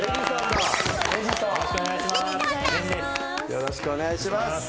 よろしくお願いします。